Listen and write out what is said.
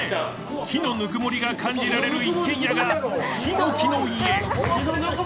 木のぬくもりが感じられる一軒家がひのきの家。